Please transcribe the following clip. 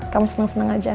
kamu senang senang aja